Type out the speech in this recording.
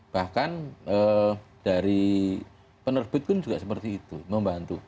bahkan dari penerbit pun juga seperti itu membantu